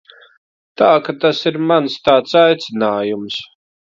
Tā ka tas ir mans tāds aicinājums.